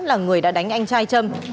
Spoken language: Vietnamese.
là người đã đánh anh trai trâm